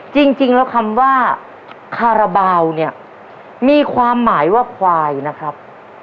จริงแล้วคำว่าคาราบาลเนี่ยมีความหมายว่าควายนะครับ